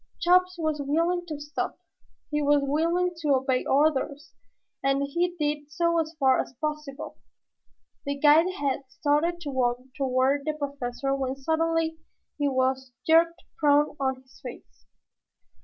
Chops was willing to stop. He was willing to obey orders, and he did so as far as possible. The guide had started to walk toward the Professor when suddenly he was jerked prone on his face.